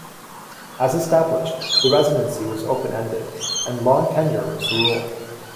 As established, the residency was open-ended, and long tenure was the rule.